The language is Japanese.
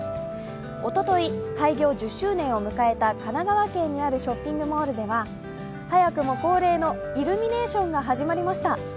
おととい開業１０周年を迎えた神奈川県にあるショッピングモールでは早くも恒例のイルミネーションが始まりました。